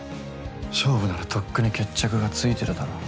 勝負ならとっくに決着がついてるだろ。